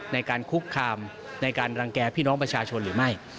ในการคุกคามในการรังแก่พี่น้องประชาชนหรือไม่